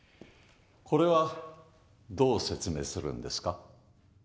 これはどう説明するんですか？